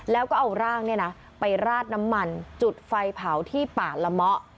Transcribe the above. แล้วก็เอาร่างไปราดน้ำมันจุดไฟเผาที่ป่าละเมาะ